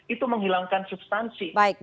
itu menghilangkan substansi